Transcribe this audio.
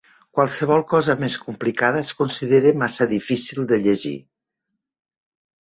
Qualsevol cosa més complicada es considera massa difícil de llegir.